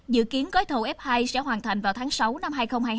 dự kiến gói thầu f hai sẽ hoàn thành vào tháng sáu năm hai nghìn hai mươi hai